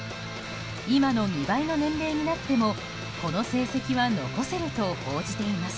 今の２倍の年齢になってもこの成績は残せると報じています。